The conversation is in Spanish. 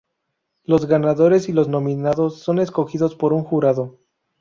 Los ganadores y los nominados son escogidos por un jurado.